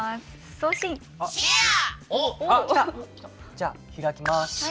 じゃあ開きます。